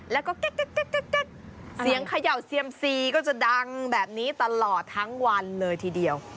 แล้วก็แก๊กเสียงเขย่าเซียมซีก็จะดังแบบนี้ตลอดทั้งวันเลยทีเดียว